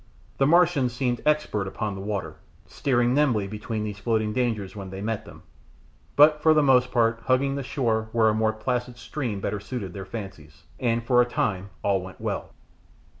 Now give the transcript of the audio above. The Martians seemed expert upon the water, steering nimbly between these floating dangers when they met them, but for the most part hugging the shore where a more placid stream better suited their fancies, and for a time all went well.